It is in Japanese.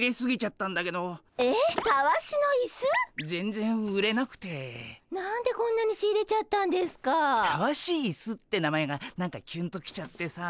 たわしイスって名前が何かキュンと来ちゃってさ。